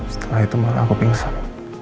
setelah itu aku pingsan